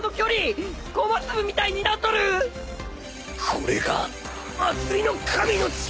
これが祭りの神の力。